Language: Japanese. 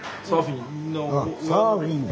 あサーフィンか。